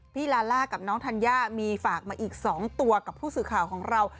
ลาล่ากับน้องธัญญามีฝากมาอีก๒ตัวกับผู้สื่อข่าวของเรา